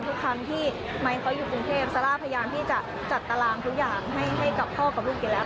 ทุกครั้งที่ไมค์เขาอยู่กรุงเทพซาร่าพยายามที่จะจัดตารางทุกอย่างให้กับพ่อกับลูกอยู่แล้ว